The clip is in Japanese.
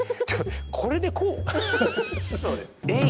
これで、こう？